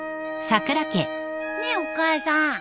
ねえお母さん。